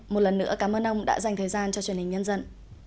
một lần nữa cảm ơn ông đã dành thời gian cho truyền hình nhân dân